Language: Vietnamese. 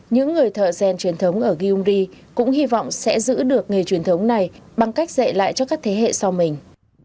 những người thợ gen truyền thống ở gyungri cũng hy vọng sẽ giữ được nghề truyền thống này bằng cách dạy lại cho các thế hệ sau mình